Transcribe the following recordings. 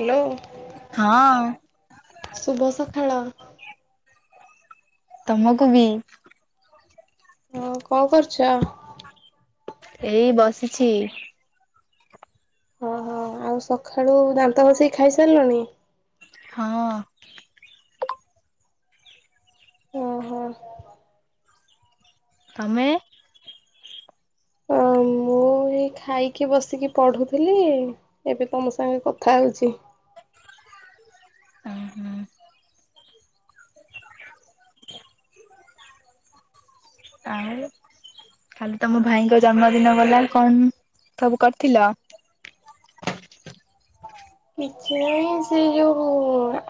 Hello ହଁ ଶୁଭସଖାଳ। ତମକୁ ବି। ହଁ କଣ କରୁଚ? ଏଇ ବସିଛି। ଓହୋ ଆଉ ସକାଳୁ ଦାନ୍ତ ଘସିକି ଖାଇ ସାରିଲୁଣି? ହଁ। ଓ ହୋ। ତମେ? ଓ ମୁଁ ମୁଁ ଏଇ ଖାଇକି ବସିକି ପଢୁଥିଲି ଏବେ ତମ ସାଙ୍ଗେ କଥା ହଉଚି। ଉଁ ହୁଁ। ଆଉ କାଲି ତମ ଭାଇଙ୍କ ଜନ୍ମଦିନ ଗଲାଣି କଣ ସବୁ କରିଥିଲ? କିଛି ନାହିଁ ସେ ଯୋଉ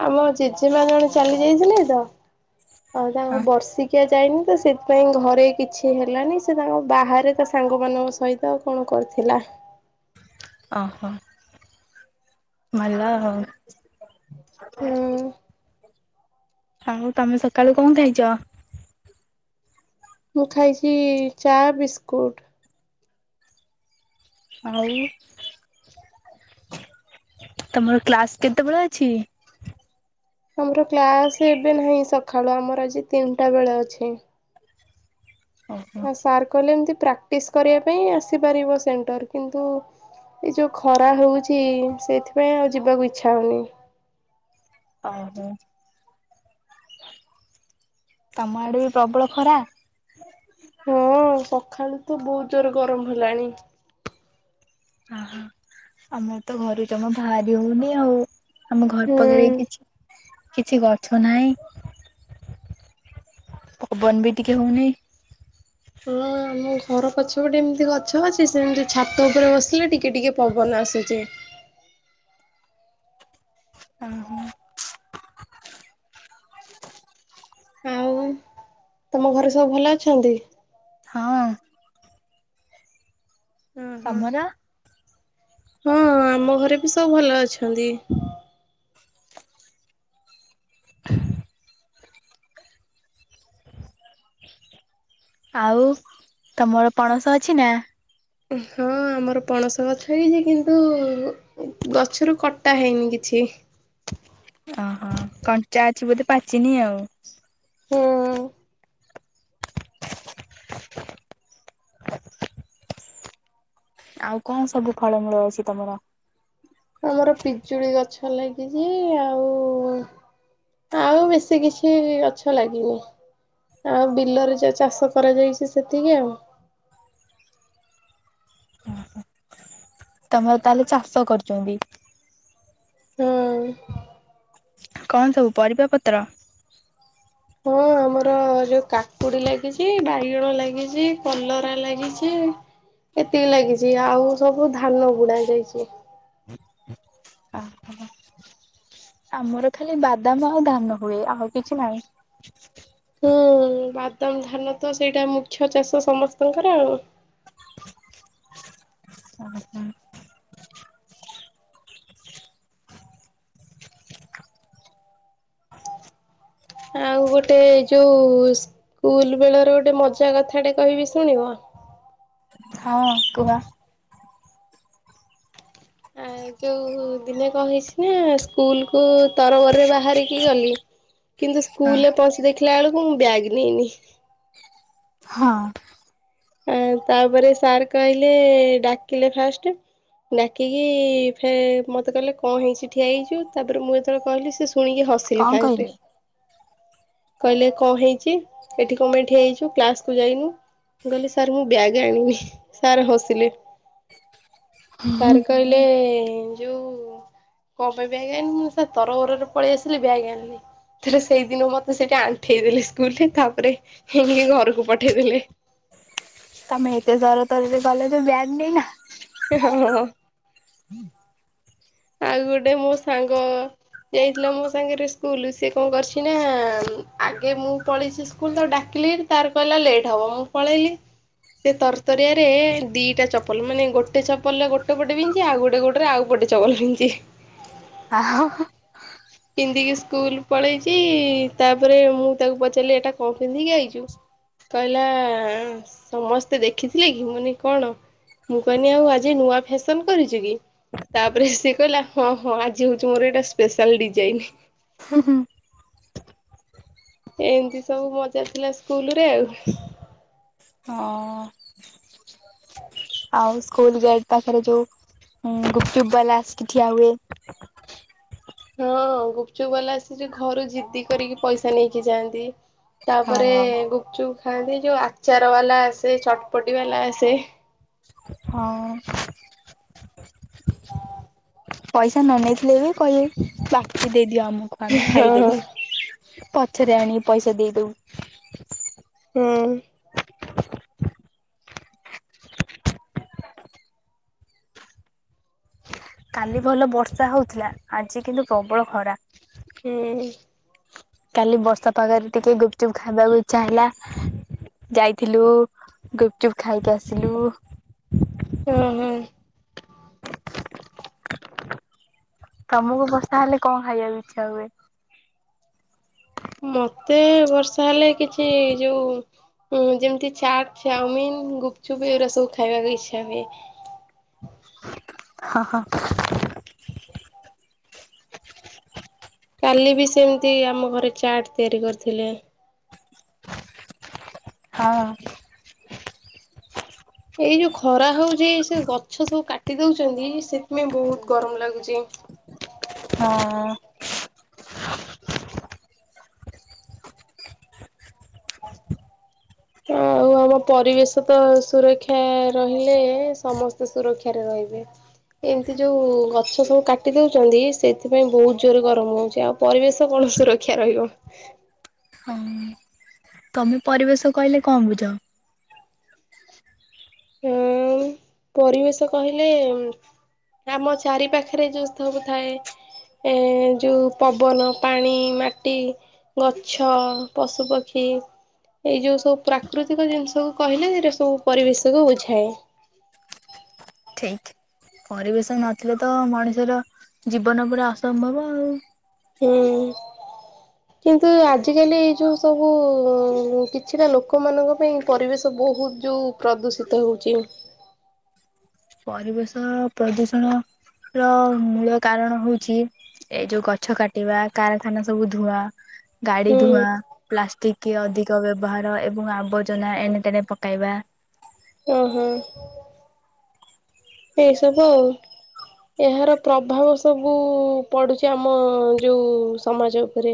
ଆମ ଜେଜେମା ଜଣେ ଚାଲି ଯାଇଥିଲେ ତ ଆଉ ତାଙ୍କ ବର୍ଷିକି ଖିଆ ଯାଇନି ତ ସେଥିପାଇଁ ଘରେ କିଛି ହେଲାନି ସେ ତାଙ୍କ ବାହାରେ ତା ସାଙ୍ଗମାନଙ୍କ ସହିତ କଣ କରିଥିଲା। ଓହୋ ଭଲ ଆଉ। ହୁଁ। ସାଙ୍ଗୁ ତାମେ ସକାଳୁ କଣ ଖାଇଚ? ମୁଁ ଖାଇଛି ଚା ବିିସ୍କୁୁଟ୍। ଆଉ ତମର କ୍ଲାସ କେତେବେଳେ ଅଛି? ଆମର କ୍ଲାସ ଏବେ ନାହିଁ ସକାଳୁ ଆମର ଆଜି ତିନିଟା ବେଳେ ଅଛି। ଓହୋ ହଁ ସାର୍ କହିଲେ ଏମତି ପ୍ରାକ୍ଟିସ୍ କରିବା ପାଇଁ ଆସିପାରିବ ସେଣ୍ଟର କିନ୍ତୁ ଏଇ ଯୋଉ ଖରା ହଉଛି ସେଇଥିପାଇଁ ଆଉ ଯିବାକୁ ଇଚ୍ଛା ହଉନି। ଓହୋ। ତମ ଆଡେ ବି ପ୍ରବଳ ଖରା। ହଁ ସଖାଳୁ ତ ବହୁତ ଜୋର ଗରମ ହେଲାଣି। ଅହୋ ଆମର ତ ଘରୁ ଜମା ବାହାରି ହଉନି ଆଉ। ଆମ ଘର୍ ହୁଁ। ପାଖରେ କିଛି କିଛି ଗଛ ନାହିଁ। ପବନ ବି ଟିକେ ହଉ ନିଇ। ହୁଁ। ଆମ ଘର ପଛପଟେ ଏମିତି ଗଛ ଅଛି ସେମିତି ଛାତ ଉପରେ ବସିଲେ ଟିକେ ଟିକେ ପବନ ଆସୁଚି। [inaudible] ଆଃହୋ। ଆଉ ତମ ଘରେ ସବୁ ଭଲ ଅଛନ୍ତି? ହଁ ହଁ ହଁ ତମର? ହଁ ଆମ ଘରେ ବି ସବୁ ଭଲ ଅଛନ୍ତି। ଆଉ ତମର ପଣସ ଅଛି ନା? ହଁ ଆମର ପଣସ ଗଛ ହେଇଚି କିନ୍ତୁ ଗଛରୁ କଟା ହେଇନି କିଛି। ଇ। ଓହୋ କଞ୍ଚା ଅଛି ବୋଧେ ପାଚିନି ଆଉ? ହୁଁ। ଆଉ କଣ ସବୁ ଫଳ ମୂଳ ଅଛି ତମର? ଆମର ପିଜୁଳି ଗଛ ଲାଗିଚି ଆଉ ଆଉ ବେଶୀ କିଛି ଗଛ ଲାଗିନି। ଆଉ ବିଲରେ ଯୋଉ ଚାଷ କରାଯାଇଚି ସେତିକି ଆଉ। ତମର ତାହେଲେ ଚାଷ କରଚନ୍ତି? ହୁଁ। କଣ ସବୁ ପରିବା ପତ୍ର? ହୁଁ। ଆମର ଯୋଉ କାକୁଡି ଲାଗିଚି ବାଇଗଣ ଲାଗିଚି କଲରା ଲାଗିଚି। ଏତିକି ଲାଗିଚି ଆଉ ସବୁ ଧାନ ବୁଣା ଯାଇଚି। ଆ ହୋ। ଆମର ଖାଲି ବାଦାମ ଆଉ ଧାନ ହୁଏ ଆଉ କିଛି ନାହିଁ। ହୁଁ ବାଦାମ ଧାନ ତ ସେଇଟା ମୁଖ୍ୟ ଚାଷ ସମସ୍ତଙ୍କର ଆଉ। [inaudible] ଆଉ ଗୋଟେ ଯୋଉ ସ୍କୁଲ ବେଳର ଗୋଟେ ମଜା କଥାଟେ କହିବି ଶୁଣିବ। ହଁ କୁହ। ଆଁ। ଯୋଉ ଦିନେ କଣ କହିଚି ନା ସ୍କୁଲ କୁ ତରବରରେ ବାହାରିକି ଗଲି। କିନ୍ତୁ ସ୍କୁଲରେ ପହଞ୍ଚି ଦେଖିଲା ଅଳକୁ ମୁଁ ବ୍ୟାଗ ନେଇନି। ହଁ ଆଁ ତାପରେ ସାର୍ କହିଲେ ଡାକିଲେ ଫାଷ୍ଟ ଟେ। ଡାକିକି ଫେ ମତେ କହିଲେ କଣ ହେଇଚି ଠିଆ ହେଇଚୁ ତାପରେ ମୁଁ ଯେତେବେଳେ କହିଲି ସେ ଶୁଣିକି ହସିଲେ କଣ ଫାଷ୍ଟ କହିଲି? କହିଲେ କଣ ହେଇଚି ଏଠି କଣ ପାଇଁ ଠିଆ ହେଇଚୁ କ୍ଲାସ କୁ ଯାଇନୁ? ମୁଁ କହିଲି ସାର୍ ମୁଁ ବ୍ୟାଗ ଆଣିନି ସାର୍ ହସିଲେ। ସାର୍ କହିଲେ ଯୋଉ କଁ ପାଇଁ ବ୍ୟାଗ୍ ଆଣିନୁ ସାର୍ ତରବରରେ ପଳେଇ ଆସିଲି ବ୍ୟାଗ୍ ଆଣିନି। ଥରେ ସେଇଦିନ ମତେ ସେଇଠି ଆଣ୍ଠେଇ ଦେଲେ ସ୍କୁଲରେ ତାପରେ ହେ ଗେଁ ଘରକୁ ପଠେଇଦେଲେ। ତମେ ଏତେ ତରତରରେ ଗଲେ ଯେ ବ୍ୟାଗ୍ ନେଇନ। ହଁ ଆଉ ଗୋଟେ ମୋ ସାଙ୍ଗ ଯାଇଥିଲା ମୋ ସାଙ୍ଗରେ ସ୍କୁଲ ସିଏ କଣ କରିଚି ନା ଆଗେ ମୁଁ ପଳେଇଚି ସ୍କୁଲ ତାକୁ ଡାକି ଲି ତାର କହିଲା ଲେଟ୍ ହବ ମୁଁ ପଳେଇଲି। ସେ ତରତରିଆରେ ଦିଟା ଚପଲ ମାନେ ଗୋଟେ ଚପଲ ରେ ଗୋଟେ ପଟେ ପିନ୍ଧିଚି ଆଉ ଗୋଟେ ଗୋଡରେ ଆଉ ପଟେ ଚପଲ ପିଞ୍ଚି ଆହୋ ପିନ୍ଧିକି ସ୍କୁଲ ପଳେଇଚି ତାପରେ ମୁଁ ତାକୁ ପଚାରିଲି ଏଟା କଣ ପିନ୍ଧିକି ଆଇଚୁ? କହିଲା ସମସ୍ତେ ଦେଖିଥିଲେ କି ମୁଁ କହିଲି କଣ? ମୁଁ କହିନି ଆଉ ଆଜି ନୂଆ ଫ୍ୟାସନ କରିଚୁ କି? ତାପରେ ସିଏ କହିଲା ହଁ ହଁ ଆଜି ହଉଚି ମୋର ଏଇଟା ସ୍ପେଶାଲ ଡିଜାଇନ। ହୁଁ ହୁଁ। ଏମିତି ସବୁ ମଜା ଥିଲା ସ୍କୁଲ ରେ ଆଉ। ହଁ ଆଉ ସ୍କୁଲ ଗେଟ୍ ପାଖରେ ଯୋଉ ହୁଁ ଗୁପଚୁପ ବାଲା ଆସିକି ଠିଆ ହୁଏ। ହଁ ଗୁପଚୁପ ବାଲା ଆସିଚି ଘରୁ ଜିଦ୍ଦି କରିକି ପଇସା ନେଇକି ଯାଆନ୍ତି। ତାପରେ ହଁ। ଗୁପଚୁପ ଖାଆନ୍ତି ଯୋଉ ଆଚାର ବାଲା ଆସେ ଚଟପଟି ବାଲା ଆସେ। ହଉ ପଇସା ନ ନେଇଥିଲେ ବି କହିଲେ ବାକି ଦେଇଦିଅ ଆମକୁ ଆମେ ହଁ ଖାଇଦେବୁ। ପଛରେ ଆଣିକି ପଇସା ଦେଇଦଉ। ହୁଁ କାଲି ଭଲ ବର୍ଷା ହଉଥିଲା ଆଜି କିନ୍ତୁ ପ୍ରବଳ ଖରା। ହୁଁ କାଲି ବର୍ଷା ପାଗରେ ଟିକେ ଗୁପଚୁପ ଖାଇବାକୁ ଇଚ୍ଛା ହେଲା। ଯାଇଥିଲୁ ଗୁପଚୁପ ଖାଇକି ଆସିଲୁ। ହଁ ହଁ ତମକୁ ବର୍ଷା ହେଲେ କଣ ଖାଇବାକୁ ଇଚ୍ଛା ହୁଏ? ମତେ ବର୍ଷା ହେଲେ କିଛି ଯୋଉ ଯେମିତି ଚାଟ୍ ଚାଉମିନ୍ ଗୁପଚୁପ ଏଉରା ସବୁ ଖାଇବାକୁ ଇଚ୍ଛା ହୁଏ। ହଁ ହଁ କାଲି ବି ସେମିତି ଆମ ଘରେ ଚାଟ୍ ତିଆରି କରିଥିଲେ। ହଁ ଏଇ ଯୋଉ ଖରା ହୋଉଛି ସେ ଗଛ ସବୁ କାଟି ଦୋଉଛନ୍ତି ସେଥିପାଇଁ ବହୁତ ଗରମ ଲାଗୁଛି। [inaudible] ହଁ ଆଉ ଆମ ପରିବେଶ ତ ସୁରକ୍ଷା ରହିଲେ ସମସ୍ତେ ସୁରକ୍ଷାରେ ରହିବେ। ଏମିତି ଯୋଉ ଗଛ ସବୁ କାଟି ଦୋଉଛନ୍ତି ସେଥିପାଇଁ ବହୁତ ଜୋରେ ଗରମ ହଉଛି ଆଉ ପରିବେଶ କଣ ସୁରକ୍ଷା ରହିବ। ହଁ ତମେ ପରିବେଶ କହିଲେ କଣ ବୁଝ? ହଁ ପରିବେଶ କହିଲେ ଆମ ଚାରି ପାଖରେ ଯୋଉ ସବୁ ଥାଏ। ଏ ଯୋଉ ପବନ ପାଣି ମାଟି ଗଛ ପଶୁପକ୍ଷୀ। ଏଇ ଯୋଉ ସବୁ ପ୍ରାକୃତିକ ଜିନ୍ସକୁ କହିଲେ ଏଇରା ସବୁ ପରିବେଶ ସ କୁ ବୁଝାଏ। ଠିକ୍। ପରିବେଶ ନଥିଲେ ତ ମଣିଷର ଜୀବନ ପୁରା ଅସମ୍ଭବ ଆଉ। ହୁଁ। କିନ୍ତୁ ଆଜିକାଲି ଏଇ ଯଉ ସବୁ ଉଁ କିଛିଟା ଲୋକମାନଙ୍କ ପାଇଁ ପରିବେଶ ବହୁତ ଯୋଉ ପ୍ରଦୂଷିତ ହେଉଚି। ପରିବେଶ ପ୍ରଦୂଷଣ ର ମୂଳ କାରଣ ହଉଚି ଏଇ ଯୋଉ ଗଛ କାଟିବା କାରଖାନା ସବୁ ଧୁଆ। ଗାଡି ହୁଁ ଧୂଆଁ ପ୍ଲାଷ୍ଟିକ୍ କି ଅଧିକ ବ୍ୟବହାର ଏ [inaudible] ଆବର୍ଜନା ଏଣେତେଣେ ପକାଇବା। ଓହୋଃ। ଏଇ ସବୁ ଆଉ। ଏହାର ପ୍ରଭାବ ସବୁ ପଡୁଚି ଆମ ଯୋଉ ସମାଜ ଉପରେ।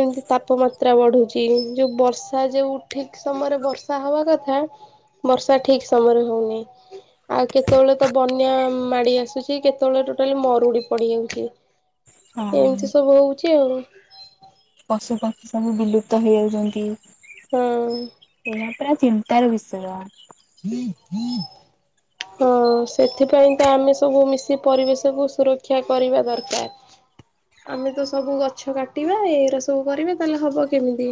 ଏମିତି ତାପମାତ୍ରା ବଢୁଛି ଯୋଉ ବର୍ଷା ଯୋଉ ଠିକ୍ ସମୟରେ ବର୍ଷା ହବା କଥା ବର୍ଷା ଠିକ୍ ସମୟରେ ହଉନି ଆଉ କେ କେତବେଳେ ତ ବନ୍ୟା ମାଡି ଆସୁଚି କେତେବେଳେ ଟୋଟାଲି ମରୁଡି ପଡିଯାଉଚି। ହଁ ଏମିତି ସବୁ ହଉଚି ଆଉ। ପଶୁ ପକ୍ଷୀ ସବୁ ବିଲୁପ୍ତ ହେଇଯାଉଚନ୍ତି। ହଁ। ପୁରା ଚିନ୍ତାର ବିଷୟ। [inaudible] ହଁ ସେଥିପାଇଁ ତ ଆମେ ସବୁ ମିଶି ପରିବେଶକୁୁ ସୁରକ୍ଷା କରିବା ଦରକାର। ଆମେ ତ ସବୁ ଗଛ କାଟିବା ଏରା ସବୁ କରିବା ତାହେଲେ ହବ କେମିତି।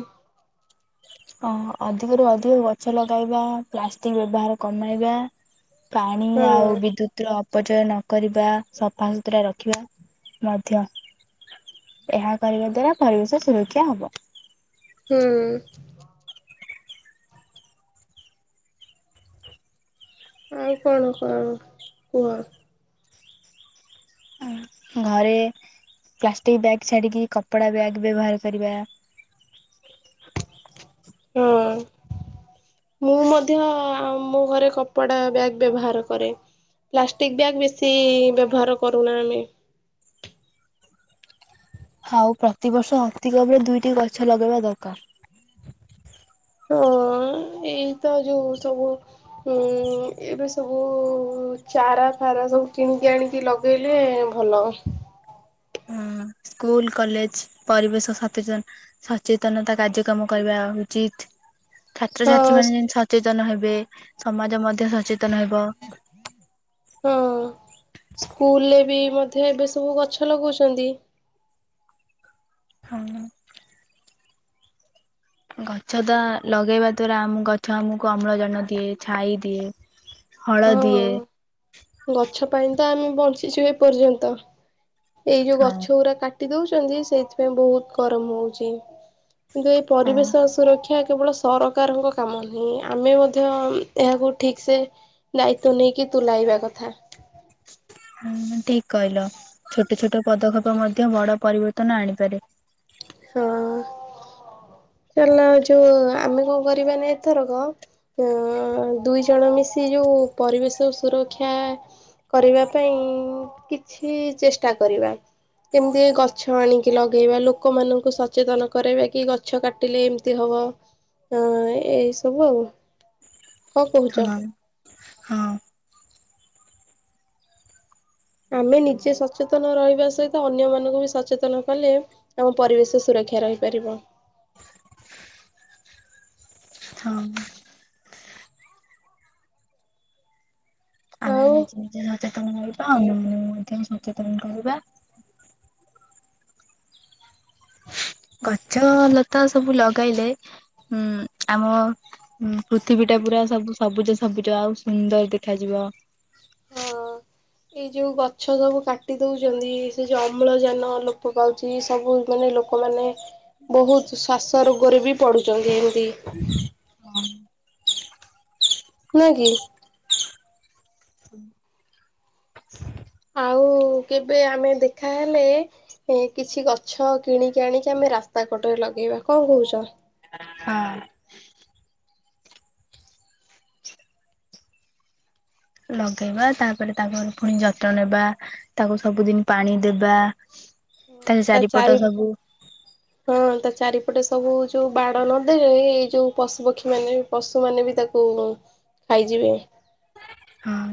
ଅ ଅଧିକରୁୁ ଅଧିକ ଗଛ ଲଗାଇବା, ପ୍ଲାଷ୍ଟିକ୍ ବ୍ୟବହାର କମାଇବା। ପାଣି ହଁ ଆଉ ବିଦ୍ୟୁତର ଉପଚୟ ନକରିବା, ସଫା ସୁତୁରା ରଖିବା ମଧ୍ୟ। ଏହା କରିବା ଦ୍ଵାରା ପରିବେଶ ସୁରକ୍ଷା ହବ। ଉଁ-ଉଁ -ଉଁ ଆଉ କଣ କଣ କୁହ? ଘରେ ପ୍ଲାଷ୍ଟିକ୍ ବ୍ୟାଗ୍ ଛାଡିକି କପଡା ବ୍ୟାଗ୍ ବ୍ୟବହାର କରିବା। ଉଁ-ଉଁ-ଉଁ ମୁଁ ମଧ୍ୟ ଆ-ଆ ଆମ ଘରେ କପଡ଼ା ବ୍ୟାଗ୍ ବ୍ୟବହାର କରେ। ପ୍ଲାଷ୍ଟିକ୍ ବ୍ୟାଗ୍ ବେଶୀ ବ୍ୟବହାର କରୁନା ଆମେ। ହାଉ ପ୍ରତିବର୍ଷ ଅତିକମ୍ ରେ ଦୁଇଟି ଗଛ ଲଗେଇବା ଦରକାର୍। [unintelligible] ଏଇତ ଯୋଉ ସବୁ ଉଁ ଏବେ ସବୁ ଚାରାଫାରା ସବୁ କିଣିକି ଆଣିକି ଲଗେଇଲେ ଭଲ। ହୁଁ ସ୍କୁଲ କଲେଜ୍ ପରିବେଶ ସତେଚନ୍ ସଚେତନତା କାଯ୍ୟକ୍ରମ କରିବା ଉଚିତ। ଛାତ୍ରଛାତ୍ରୀ ହଁ ମାନେ ଯେମତି ସଚେତନ ହେବେ ସମାଜ ମଧ୍ୟ ସଚେତ୍ ହଁ ସ୍କୁଲ୍ଏ ବି ମଧ୍ୟ ଏବେ ସବୁ ଗଛ ଲଗଉଛନ୍ତି। ହଁ। ଗଛ ତା ଲଗେଇବା ଦ୍ଵାରା ଆମୁ ଗଛ ଆମକୁ ଅମ୍ଳଜାନ ଦିଏ ଛାଇ ଦିଏ। ହଳ ଦିଏ ହଁଅ-ଅ-ଅ ଗଛ ପାଇଁ ତ ଆମେ ବଞ୍ଚିଛୁ ଏପର୍ଯ୍ୟନ୍ତ। ଏଇ ଯୋଉ ହଁ ଗଛଗୁରା କାଟି ଦଉଚନ୍ତି ସେଇଥିପାଇଁ ବହୁତ ଗରମ ହଉଚି। କିନ୍ତୁ ଏଇ ହଁ ପରିବେଶ ସୁରକ୍ଷା କେବଳ ସରକାରଙ୍କ କାମ ନୁହେଁ ଆମେ ମଧ୍ୟ ଏହାକୁ ଠିକସେ ଦାୟିତ୍ଵ ନେଇକି ତୁଲାଇବା କଥା। ହୁଁ ଠିକ୍ କହିଲ ଛୋଟ ଛୋଟ ପଦକ୍ଷେପ ମଧ୍ୟ ବଡ ପରିବର୍ତ୍ତନ ଆଣିପାରେ। ହଁଅ-ଅ ଚାଲ ଯୋଉ ଆମେ କଣ କରିବାନା ଏଥରକ ଅଁ-ଅଁ-ଅଁ ଦୁଇ ଜଣ ମିଶି ଯୋଉ ପରିବେଶ ସୁରକ୍ଷା କରିବା ପାଇଁଇଁ-ଇଁ କିଛି ଚେଷ୍ଟା କରିବା। କେମିତି ଗଛ ଆଣିକି ଲଗେଇବା ଲୋ ଲୋକମାନଙ୍କୁ ସଚେତନ କରାଇବା କି ଗଛ କାଟିଲେ ଏମିତି ହବ। ହୁଁ ଉଁ-ଉଁ ଏଇ ସବୁ ଆଉ। କଣ କହୁଛ? ହଁ ହଁ। ଆମେ ନିଜେ ସଚେତନ ରହିବା ସହିତ ଅନ୍ୟ ମାନଙ୍କୁ ବି ସଚେତନ କଲେ ଆମ ପରିବେଶ ସୁର ଅପେକ୍ଷା ରହିପାରିବ। ହଁ ହଉ [unintelligible] ସଚେତନ ରହିବା ଆଉ ମୁଁ ମଧ୍ୟ ସଚେତନ କରିବା। ଗଛ ଲତା ସବୁ ଲଗାଇଲେ ହୁଁ ଆମ ଉଁ ପୃଥିବୀ ଟା ପୁରା ସବୁ ସବୁଜ ସବୁଜ ଆଉ ସୁନ୍ଦର ଦେଖାଯିବ। ହଁ। ହଁ। ଏଇ ଯୋଉ ଗଛ ସବୁ କାଟି ଦଉଚନ୍ତି ସେ ଯୋଉ ଅମ୍ଳ ଯାନ ଲପ ପାଉଚି ସବୁ ମାନେ ହେ ଲୋକମାନେ ବହୁତ ଶ୍ଵାସ ରୋଗରେ ବି ପଢୁଚନ୍ତି ଏମିତି। ହଁ। ନୁ କିି। ଆଉ କେବେ ଆମେ ଦେଖାହଲେ ଏଁ କିଛି ଗଛ କିଣିକି ଆଣିକି ଆମେ ରାସ୍ତା କଡ଼ ରେ ଲଗେଇବା କଣ କହୁଚ? ଲଗେଇବା ତାପରେ ତାଙ୍କର ପୁଣି ଯତ୍ନ ନେବା ତାକୁ ସବୁଦିନ ପାଣି ଦେବା। ତା ଚାରିପଟ ସବୁ ହଁ ତା ଚାରିପଟେ ସବୁ ଯୋଉ ବାଡ ନଦେଲେ ଏଇ ଯୋଉ ପଶୁ ପକ୍ଷୀ ମାନେ ପଶୁମାନୋନେ ବି ତାକୁ ଖାଇଯିବେ। ହଁ।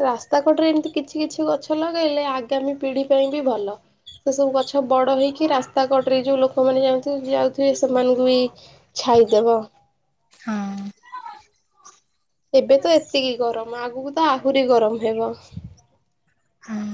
ରାସ୍ତା କଡ଼ରେ ଏମତି କିଛି କିଛି ଗଛ ଲଗେଇଲେ ଆଗାମୀ ପିଢି ପାଇଁ ବି ଭଲ। ସେ ସବୁ ଗଛ ବଡ ହେଇକି ରାସ୍ତା କଡରେ ଯୋଉ ଲୋକମାନୋନ ଯାଉଁ ଯାଉଥିବେ ସେମାନଙ୍କୁ ବିଛ ଛାଇଦବ। ହଁ। ଏବେ ତ ଏତିକି ଗରମ ଆଗକୁ ତ ଆହୁରି ଗରମ ହେବ। ହଁ।